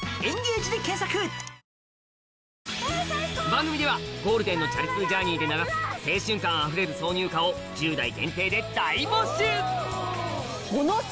番組ではゴールデンの「チャリ通ジャーニー」で流す青春感あふれる挿入歌を１０代限定で大募集！